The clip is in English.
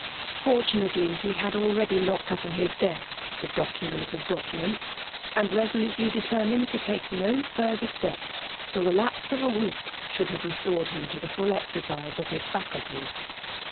Fortunately he had already locked up in his desk the document 62 FEMALE DOMINATION. of documents ; and resolutely determined to take no further step till the lapse of a week should have restored him to the full exercise of his faculties.